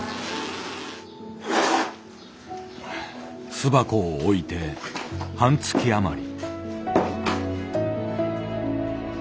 巣箱を置いて半月余り。